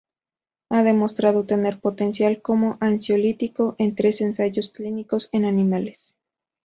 Ha demostrado tener potencial como ansiolítico en tres ensayos clínicos en animales.